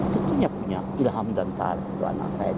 tentunya punya ilham dan tarikh itu anak saya